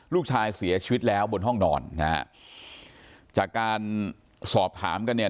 ลูกชายเสียชีวิตแล้วบนห้องนอนนะฮะจากการสอบถามกันเนี่ย